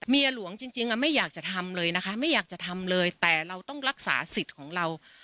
หลวงจริงไม่อยากจะทำเลยนะคะไม่อยากจะทำเลยแต่เราต้องรักษาสิทธิ์ของเรา